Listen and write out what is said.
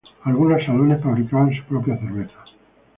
Algunos salones fabricaban su propia cerveza.